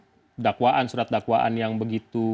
mulai dari dakwaan surat dakwaan yang begitu